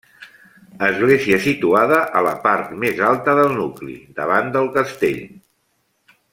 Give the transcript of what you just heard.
Església situada a la part més alta del nucli, davant del castell.